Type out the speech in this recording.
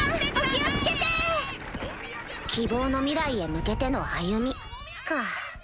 ・希望の未来へ向けての歩みか